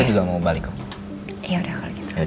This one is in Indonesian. saya juga mau balik pak